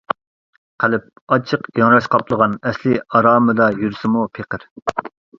قەلب ئاچچىق ئىڭراش قاپلىغان ئەسلى ئارامىدا يۈرسىمۇ پېقىر.